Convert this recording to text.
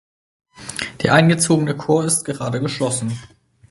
Der eingezogene Chor ist gerade geschlossen.